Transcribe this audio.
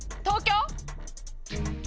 東京？